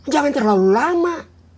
jangan terlalu lama